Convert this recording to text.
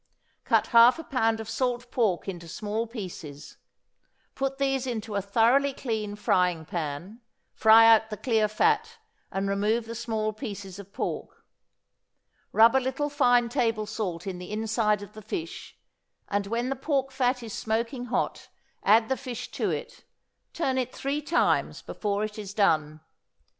Cut half a pound of salt pork into small pieces; put these into a thoroughly clean frying pan; fry out the clear fat, and remove the small pieces of pork. Rub a little fine table salt in the inside of the fish, and when the pork fat is smoking hot, add the fish to it; turn it three times before it is done.